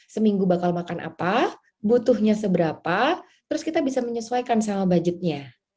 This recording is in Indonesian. seminggu bakal makan apa butuhnya seberapa terus kita bisa menyesuaikan sama budgetnya